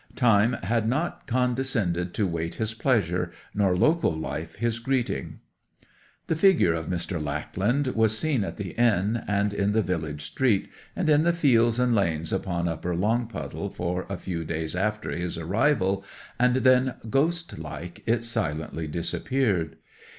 Time had not condescended to wait his pleasure, nor local life his greeting. The figure of Mr. Lackland was seen at the inn, and in the village street, and in the fields and lanes about Upper Longpuddle, for a few days after his arrival, and then, ghost like, it silently disappeared.